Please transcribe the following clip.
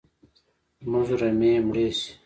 زموږ رمې مړي شي